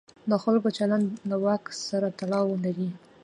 د خلکو چلند له واک سره تړاو لري.